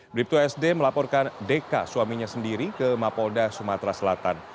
brip dua sd melaporkan deka suaminya sendiri ke mapolda sumatera selatan